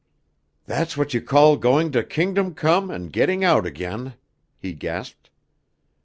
"That's what you call going to kingdomcome and getting out again!" he gasped.